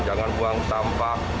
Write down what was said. jangan buang sampah